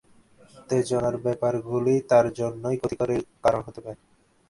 উত্তেজনার ব্যাপারগুলি তাঁর জন্যে ক্ষতির কারণ হতে পারে।